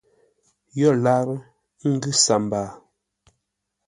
Yo lárə́ ə́ ngʉ̌ sambaa.